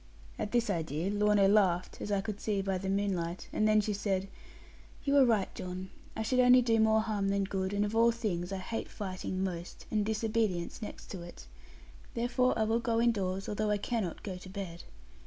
At this idea Lorna laughed, as I could see by the moonlight; and then she said, 'You are right, John. I should only do more harm than good: and of all things I hate fighting most, and disobedience next to it. Therefore I will go indoors, although I cannot go to bed.